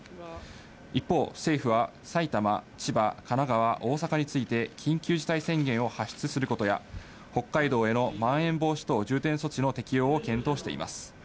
一方、政府は埼玉、千葉、神奈川、大阪について緊急事態宣言を発出することや、北海道へのまん延防止等重点措置の適用を検討しています。